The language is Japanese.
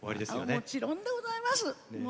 もちろんでございます。